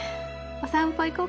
お散歩行こう